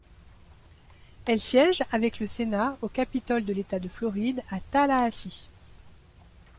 Elle siège avec le Sénat au Capitole de l'État de Floride à Tallahassee.